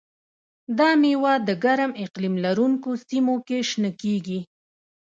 دا مېوه د ګرم اقلیم لرونکو سیمو کې شنه کېږي.